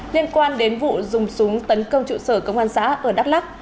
liên quan đến vụ dùng súng tấn công trụ sở công an xã ở đắk lắc